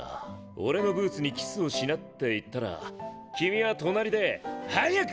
“俺のブーツにキスをしな”って言ったら君は隣で“早くひれ伏しな！！”